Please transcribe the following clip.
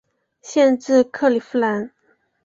县治克里夫兰。